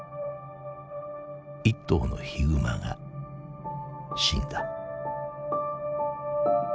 一頭のヒグマが死んだ。